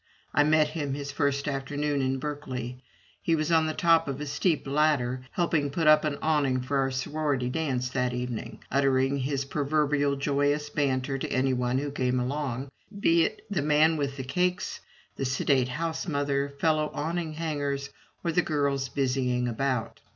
I met him his first afternoon in Berkeley. He was on the top of a step ladder, helping put up an awning for our sorority dance that evening, uttering his proverbial joyous banter to any one who came along, be it the man with the cakes, the sedate house mother, fellow awning hangers, or the girls busying about.